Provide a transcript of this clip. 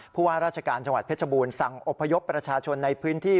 ว่าราชการจังหวัดเพชรบูรณสั่งอบพยพประชาชนในพื้นที่